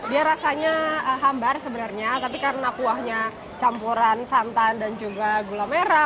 dia rasanya hambar sebenarnya tapi karena kuahnya campuran santan dan juga gula merah